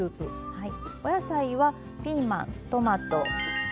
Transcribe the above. はい。